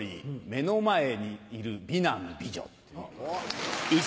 目の前にいる美男美女。